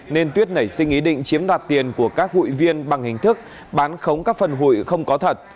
nên tuyết nảy sinh ý định chiếm đoạt tiền của các hụi viên bằng hình thức bán khống các phần hụi không có thật